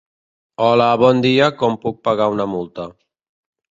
Hola bon dia com puc pagar una multa.